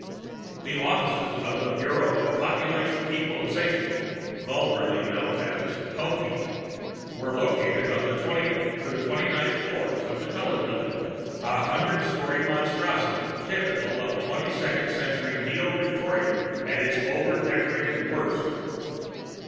I The offices of the Bureau of Population Equalization, vulgarly known as Popeek, were located on the twentieth through twenty ninth floors of the Cullen Building, a hundred story monstrosity typical of twenty second century neo Victorian at its overdecorated worst.